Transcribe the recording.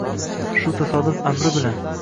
Shu tasodif amri bilan